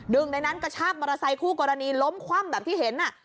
หนึ่งในนั้นกระชากมอเตอร์ไซคู่กรณีล้มคว่ำแบบที่เห็น